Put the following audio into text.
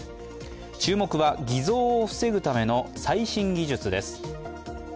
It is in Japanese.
注目は、偽造を防ぐための最新技術です。